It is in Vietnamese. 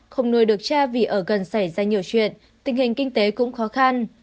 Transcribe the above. không nuôi được cha vì ở gần xảy ra nhiều chuyện tình hình kinh tế cũng khó khăn